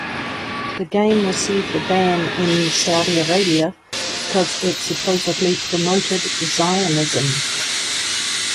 The game received a ban in Saudi Arabia because it supposedly promoted Zionism.